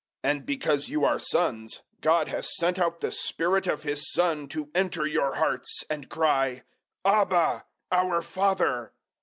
004:006 And because you are sons, God has sent out the Spirit of His Son to enter your hearts and cry "Abba! our Father!"